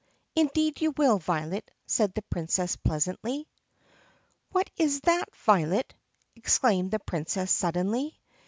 "Indeed you will, Violet," said the Princess pleasantly. "What is that, Violet?" exclaimed the Princess suddenly.